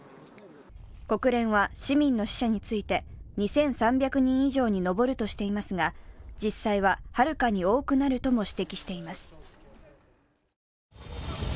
国連は市民の死者について２３００人以上に上るとしていますが、実際ははるかに多くなるとも指摘しています。